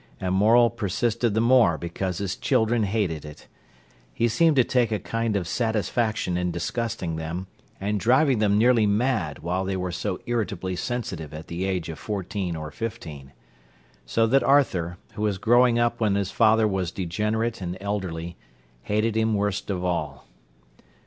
And Morel persisted the more because his children hated it. He seemed to take a kind of satisfaction in disgusting them, and driving them nearly mad, while they were so irritably sensitive at the age of fourteen or fifteen. So that Arthur, who was growing up when his father was degenerate and elderly, hated him worst of all.